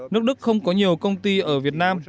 nước đức không có nhiều công ty ở việt nam